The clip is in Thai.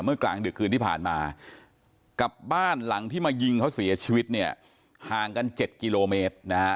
กลางดึกคืนที่ผ่านมากับบ้านหลังที่มายิงเขาเสียชีวิตเนี่ยห่างกัน๗กิโลเมตรนะฮะ